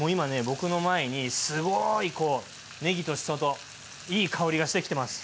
僕の前にすごいこうねぎとしそといい香りがしてきてます。